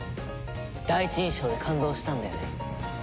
第一印象で感動したんだよね。